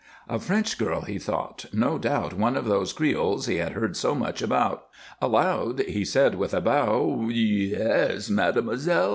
A French girl, he thought. No doubt one of those Creoles he had heard so much about. Aloud, he said, with a bow: "Yes, mademoiselle.